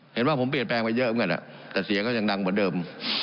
เห็นว่าผมเปลี่ยนแปลงไปเยอะเหมือนกันแต่เสียงก็ยังดังเหมือนเดิม